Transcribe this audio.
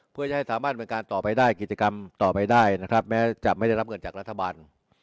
เพื่อจะให้สามารถบริการต่อไปได้กิจกรรมต่อไปได้นะครับแม้จะไม่ได้รับเงินจากรัฐบาล